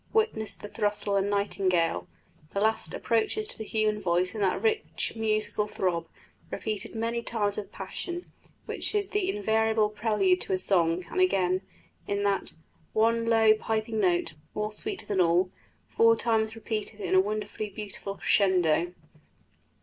Witness the throstle and nightingale. The last approaches to the human voice in that rich, musical throb, repeated many times with passion, which is the invariable prelude to his song; and again, in that "one low piping note, more sweet than all," four times repeated in a wonderfully beautiful crescendo.